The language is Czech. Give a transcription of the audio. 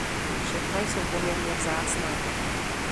Všechna jsou poměrně vzácná.